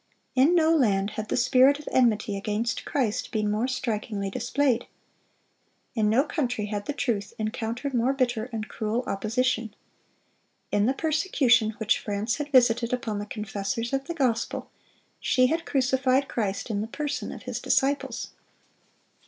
In no land had the spirit of enmity against Christ been more strikingly displayed. In no country had the truth encountered more bitter and cruel opposition. In the persecution which France had visited upon the confessors of the gospel, she had crucified Christ in the person of His disciples.